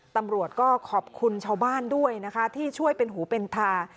ตำรวจก็ขอบคุณชาวบ้านด้วยนะคะที่ช่วยเป็นหูเป็นตา